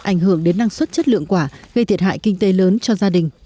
ảnh hưởng đến năng suất chất lượng quả gây thiệt hại kinh tế lớn cho gia đình